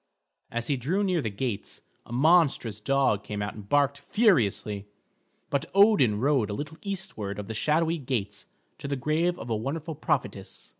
As he drew near the gates, a monstrous dog came out and barked furiously, but Odin rode a little eastward of the shadowy gates to the grave of a wonderful prophetess.